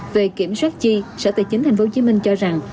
về kiểm soát chi sở tài chính thành phố hồ chí minh cho rằng